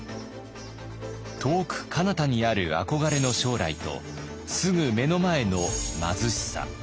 遠くかなたにある憧れの将来とすぐ目の前の貧しさ。